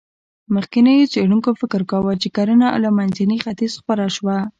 مخکېنو څېړونکو فکر کاوه، چې کرنه له منځني ختیځ خپره شوه.